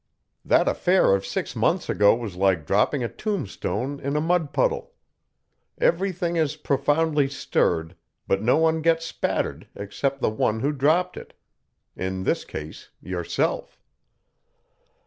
That affair of six months ago was like dropping a tombstone in a mud puddle everything is profoundly stirred, but no one gets spattered except the one who dropped it. In this case yourself."